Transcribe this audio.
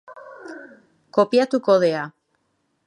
Kopiatu kodea.